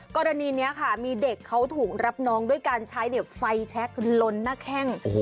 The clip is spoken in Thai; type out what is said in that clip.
กรณีนี้ค่ะมีเด็กเขาถูกรับน้องด้วยการใช้ไฟแช็คลนหน้าแข้ง